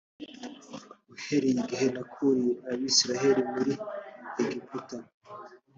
uhereye igihe nakuriye abisirayeli muri egiputa